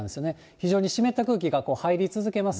非常に湿った空気が入り続けます。